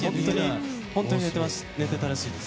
本当に寝てたらしいです。